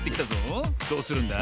どうするんだ？